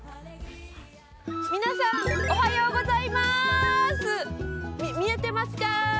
◆皆さん、おはようございまーす。見えてますか。